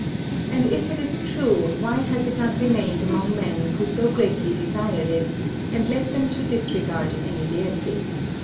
And if it is true, why has it not remained among men who so greatly desired it, and led them to disregard any deity?